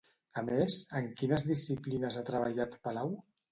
A més, en quines disciplines ha treballat Palau?